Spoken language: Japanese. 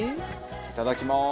いただきます。